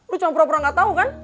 lo cuma pura pura gak tau kan